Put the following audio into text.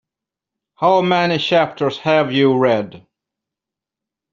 How many chapters have you read?